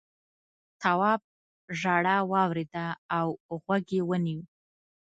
تواب ژړا واورېده او غوږ یې ونيو.